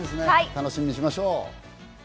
楽しみにしましょう。